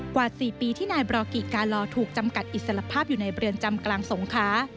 กว่า๔ปีที่นายบรอกิกาลอถูกจำกัดอิสระภาพอยู่ในเรือนจำกลางสงค้า